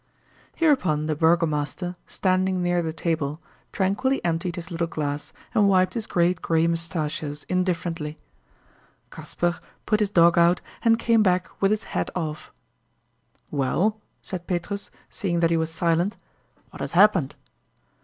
Hereupon the burgomaster, standing near the table, tranquilly emptied his little glass and wiped his great gray mustachios indifferently. Kasper put his dog out, and came back with his hat off. "Well!" said Petrus, seeing that he was silent, "what has happened?"